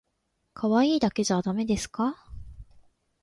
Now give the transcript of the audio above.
かわいいだけじゃだめですか